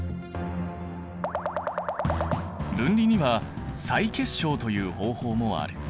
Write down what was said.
分離には再結晶という方法もある。